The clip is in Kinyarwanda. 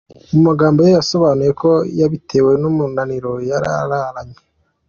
Mu magambo ye yasobanuye ko yabitewe n’umunaniro yari yararanye.